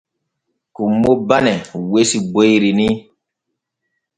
Kummo bane wesi boyri ni.